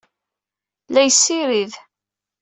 La yessirid.